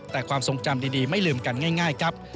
แต่ความทรงจำดีไม่ลืมกันง่ายครับ